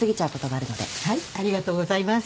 ありがとうございます。